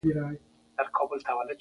خپل ځای ناخوښونکو احساساتو ته ورکوي.